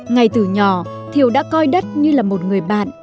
ngay từ nhỏ thiều đã coi đất như là một người bạn